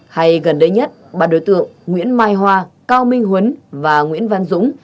hay gần đây nhất ba đối tượng nguyễn mai hoa cao minh huấn và nguyễn văn dũng